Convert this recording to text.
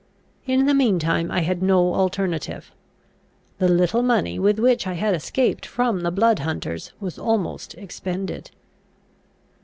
In the mean time I had no alternative. The little money with which I had escaped from the blood hunters was almost expended.